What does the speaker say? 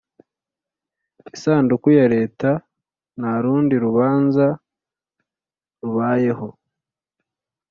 isanduku ya Leta nta rundi rubanza rubayeho